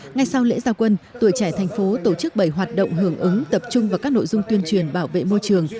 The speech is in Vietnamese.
ngay sau lễ gia quân tuổi trẻ thành phố tổ chức bảy hoạt động hưởng ứng tập trung vào các nội dung tuyên truyền bảo vệ môi trường